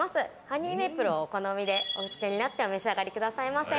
ハニーメイプルをお好みでおつけになってお召し上がりくださいませ。